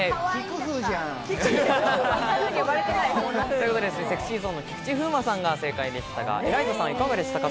ということで、ＳｅｘｙＺｏｎｅの菊池風磨さんが正解でしたが、エライザさん、いかがでしたか？